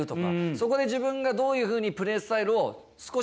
そこで自分がどういうふうにプレースタイルを少しずつ変えていくか。